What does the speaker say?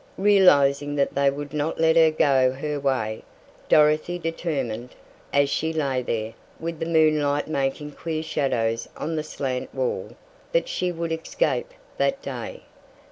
Realizing that they would not let her go her way, Dorothy determined, as she lay there, with the moonlight making queer shadows on the slant wall, that she would escape that day!